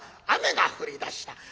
雨が降りだした。